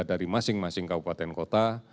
dari masing masing kabupaten kota